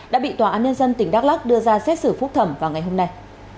đã bị tòa án nhân dân tỉnh đắk lắc đưa ra xét xử phúc thẩm vào ngày hôm nay